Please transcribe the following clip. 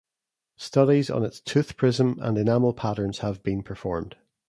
Studies on its tooth prism and enamel patterns have been performed.